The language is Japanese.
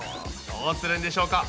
どうするんでしょうか？